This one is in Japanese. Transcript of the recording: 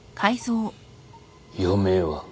余命は？